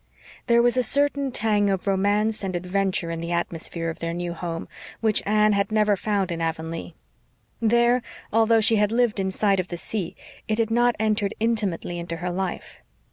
There was a certain tang of romance and adventure in the atmosphere of their new home which Anne had never found in Avonlea. There, although she had lived in sight of the sea, it had not entered intimately into her life.